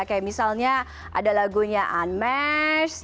kayak misalnya ada lagunya unmesh